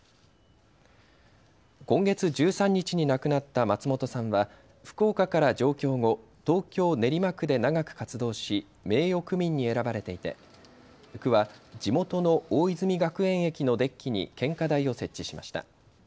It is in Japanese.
今月１３日に亡くなった松本さんは福岡から上京後、東京練馬区で長く活動し名誉区民に選ばれていて区は地元の大泉学園駅のデッキに献花台を設置しました。